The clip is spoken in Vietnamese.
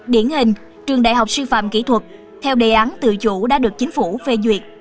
điển hình trường đại học sư phạm kỹ thuật theo đề án tự chủ đã được chính phủ phê duyệt